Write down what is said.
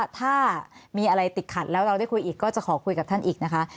ถ้ามีอะไรติดขัดแล้วเราได้คุยอีกก็จะขอคุยกับท่านอีกนะคะ